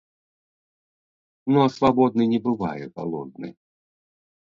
Ну а свабодны не бывае галодны.